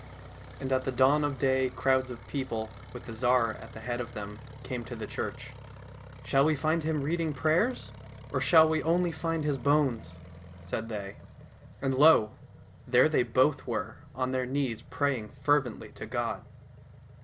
And at dawn of day crowds of people, with the Tsar at the head of them, came to the church. " Shall we find him reading prayers, or shall we only find his bones ?" said they. And lo ! there they both were on their knees praying fervently to God.